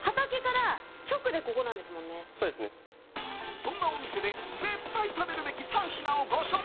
そんなお店で絶対食べるべき３品をご紹介。